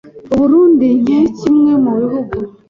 U Burunndi nke kimwe mu bihugu